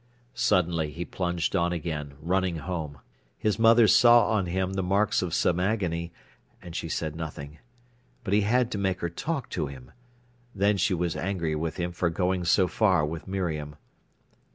Suddenly he plunged on again, running home. His mother saw on him the marks of some agony, and she said nothing. But he had to make her talk to him. Then she was angry with him for going so far with Miriam.